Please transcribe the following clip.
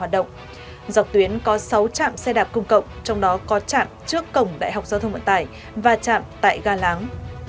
dọc tuyến có sáu trạm xe đạp công cộng trong đó có trạm trước cổng đại học giao thông vận tải và trạm tại ga láng